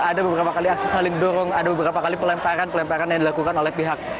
ada beberapa kali aksi saling dorong ada beberapa kali pelemparan pelemparan yang dilakukan oleh pihak